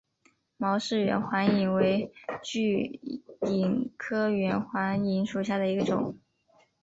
毛氏远环蚓为巨蚓科远环蚓属下的一个种。